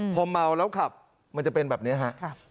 พอเมาแล้วขับมันจะเป็นแบบนี้ครับ